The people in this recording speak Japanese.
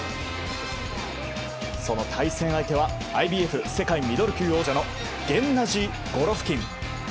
その対戦相手はＩＢＦ世界ミドル級王者のゲンナジー・ゴロフキン。